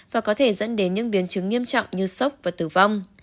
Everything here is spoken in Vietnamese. và có thể dẫn đến những biến chứng nghiêm trọng như sốc và tử vong